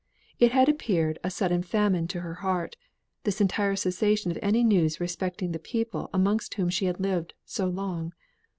It had appeared a sudden famine to her heart, this entire cessation of any news respecting the people among whom she had lived so long.